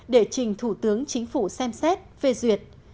để trình thủ tướng chính phủ xem xét phê duyệt